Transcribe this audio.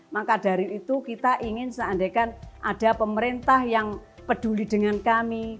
maka dari itu kita ingin seandainya ada pemerintah yang peduli dengan kami